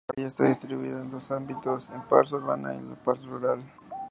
La villa está distribuida en dos ámbitos: la pars urbana y la pars rural.